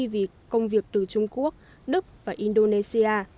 vì công việc từ trung quốc đức và indonesia